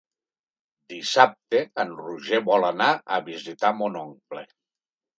Dissabte en Roger vol anar a visitar mon oncle.